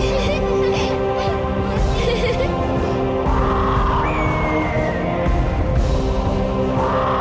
selama tinggal ibu ratu selamat jalan ke veio oro